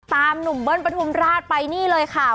หนุ่มเบิ้ลปฐุมราชไปนี่เลยค่ะ